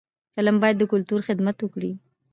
فلم باید د کلتور خدمت وکړي